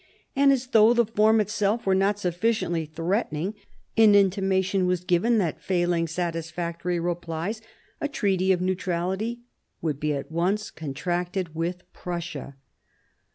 And, as though the form itself were not sufficiently threatening, an intimation was given that, failing satisfactory replies, a treaty of neutrality would be at once contracted with Prussia.